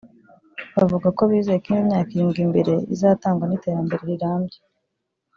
bavuga ko bizeye ko indi myaka irindwi imbere izarangwa n’iterambere rirambye